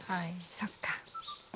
そっか。